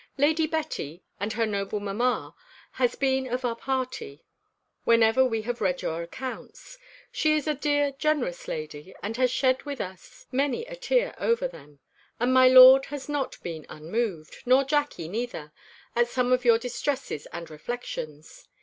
Lady Betty, and her noble mamma, has been of our party, whenever we have read your accounts. She is a dear generous lady, and has shed with us many a tear over them; and my lord has not been unmoved, nor Jackey neither, at some of your distresses and reflections.